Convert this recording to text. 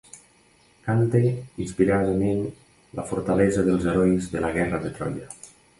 Cante inspiradament la fortalesa dels herois de la guerra de Troia.